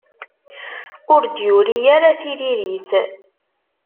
Ur d-yuri ara tiririt.